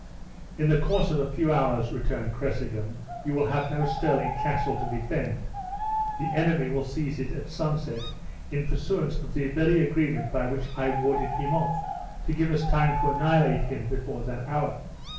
"In the course of a few hours," returned Cressingham, "you will have no Stirling Castle to defend. The enemy will seize it at sunset, in pursuance of the very agreement by which I warded him off, to give us time to annihilate him before that hour.